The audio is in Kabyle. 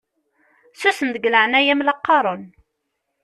Susem deg leɛnaya-m la qqaṛen!